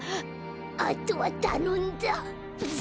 あとはたのんだぜ。